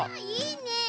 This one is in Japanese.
あいいね！